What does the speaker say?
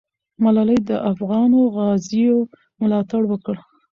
ملالۍ د افغانو غازیو ملاتړ وکړ.